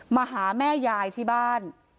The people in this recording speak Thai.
มาหาแม่ยายที่บ้าน